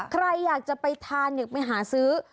ใครอยากจะไปทานอยากไปหาซื้อ